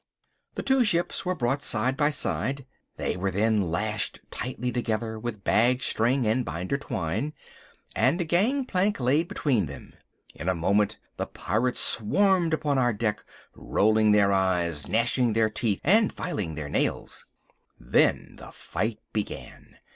The two ships were brought side by side. They were then lashed tightly together with bag string and binder twine, and a gang plank laid between them. In a moment the pirates swarmed upon our deck, rolling their eyes, gnashing their teeth and filing their nails. Then the fight began.